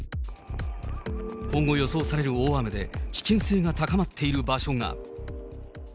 今後予想される大雨で、危険性が高まっている場所が。